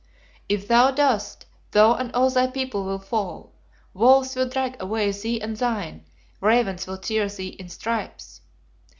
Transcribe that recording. "If thou dost, thou and all thy people will fall; wolves will drag away thee and thine; ravens will tear thee in stripes!"